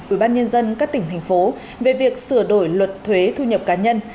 ủy ban nhân dân các tỉnh thành phố về việc sửa đổi luật thuế thu nhập cá nhân